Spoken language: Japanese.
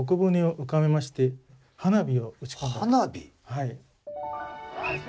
はい。